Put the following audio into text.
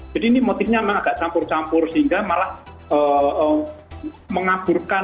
jadi ini motifnya memang agak campur campur sehingga malah mengaburkan